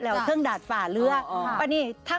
กลางแม่นก็คืออันที่นี่